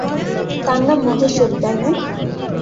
তার নাম মহেশ্বরী, তাই না?